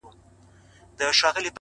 • نوې لار نوی قانون سي نوي نوي بیرغونه ,